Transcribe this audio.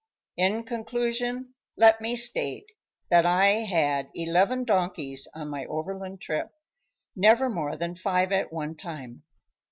In conclusion, let me state that I had eleven donkeys on my overland trip, never more than five at one time.